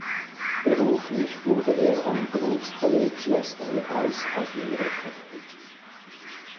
Beruflich wurde er am Berufskolleg Schloss Neuhaus als Lehrer tätig.